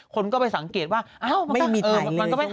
คนก็ไปสังเกตว่าไม่มีถ่ายเลยนะ